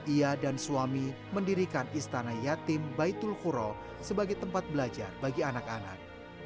ia dan suami mendirikan istana yatim baitul khuro sebagai tempat belajar bagi anak anak